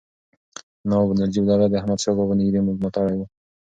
نواب نجیب الدوله د احمدشاه بابا نږدې ملاتړی و.